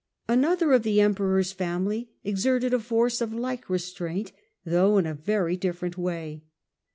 Another of the Emperor's family exerted a force of like restraint though in a very different way.